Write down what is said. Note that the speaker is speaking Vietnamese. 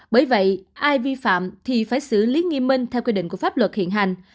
bởi vậy ai vi phạm thì phải xử lý nghiêm minh theo quy định của pháp luật hiện hành